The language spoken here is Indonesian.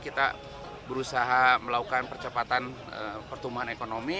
kita berusaha melakukan percepatan pertumbuhan ekonomi